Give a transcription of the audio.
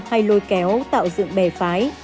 hay lôi kéo tạo dựng bè phái